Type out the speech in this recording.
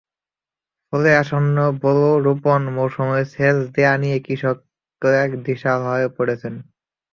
ফলে আসন্ন বোরো রোপণ মৌসুমে সেচ দেওয়া নিয়ে কৃষকেরা দিশেহারা হয়ে পড়েছেন।